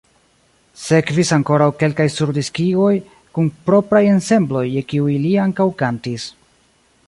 Sekvis ankoraŭ kelkaj surdiskigoj kun propraj ensembloj, je kiuj li ankaŭ kantis.